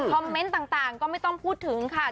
เมนต์ต่างก็ไม่ต้องพูดถึงค่ะ